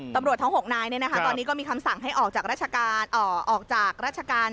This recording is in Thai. ตำรวจท้องหกนายเนี่ยนะคะตอนนี้ก็มีคำสั่งให้ออกจากราชการ